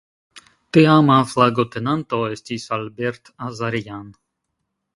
Teama flagotenanto estis "Albert Azarjan".